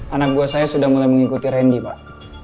anak gua saya sudah mulai mengikuti rendy pak